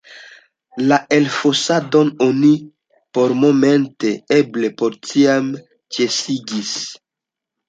La elfosadon oni pormomente, eble por ĉiam, ĉesigis.